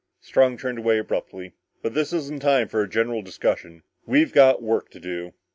Strong turned away abruptly. "But this isn't the time for a general discussion. We've got work to do!"